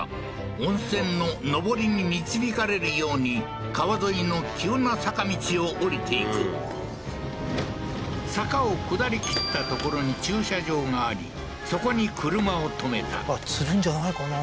温泉ののぼりに導かれるように川沿いの急な坂道を下りていく坂を下りきった所に駐車場がありそこに車を止めた釣るんじゃないかな？